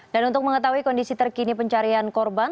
dan untuk mengetahui kondisi terkini pencarian korban